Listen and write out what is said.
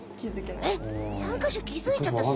えっ３かしょ気づいちゃった？